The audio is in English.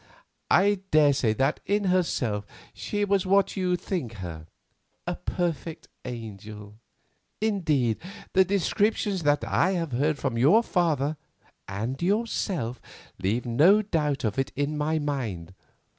I daresay that in herself she was what you think her, a perfect angel; indeed, the descriptions that I have heard from your father and yourself leave no doubt of it in my mind.